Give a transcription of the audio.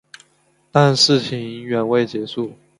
但事情远未结束。